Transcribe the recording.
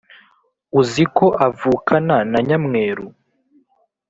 uziko avukana na nyamweru